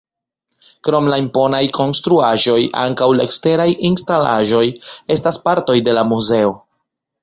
Krom la imponaj konstruaĵoj ankaŭ la eksteraj instalaĵoj estas partoj de la muzeo.